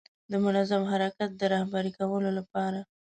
د منظم حرکت د رهبري کولو لپاره.